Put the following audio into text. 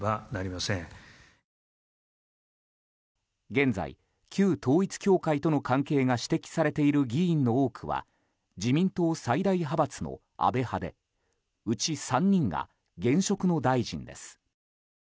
現在、旧統一教会との関係が指摘されている議員の多くは自民党最大派閥の安倍派でうち３人が現職の大臣です。